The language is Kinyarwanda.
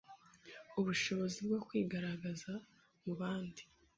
ubushobozi bwo kwigaragaza mu bandi.”